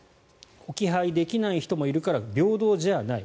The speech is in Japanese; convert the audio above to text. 置き配できない人もいるから平等じゃない。